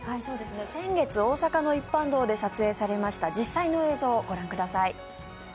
先月大阪の一般道で撮影された実際の映像をご覧ください。